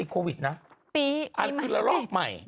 เอาคือเราอย่างน้อย